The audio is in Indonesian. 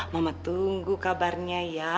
mama tunggu kabarnya ya